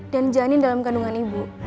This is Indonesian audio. dan janin dalam kandungan ibu